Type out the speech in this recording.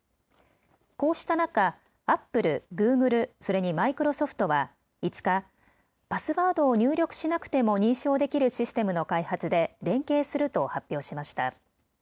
こうした中、アップル、グーグル、それにマイクロソフトは５日、パスワードを入力しなくても認証できるシステムの開発で連携すると発表しました。